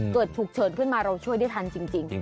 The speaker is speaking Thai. เกิดฉุกเฉินขึ้นมาเราช่วยได้ทันจริง